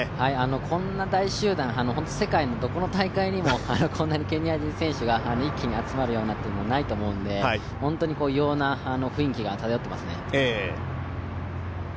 こんな大集団、世界のどこの大会でもこんなにケニア人選手が一気に集まることないと思うんで、本当に異様な雰囲気が漂っていますね。